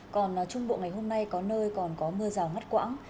còn trung bộ ngày hôm nay có nơi còn có mưa rào ngắt quãng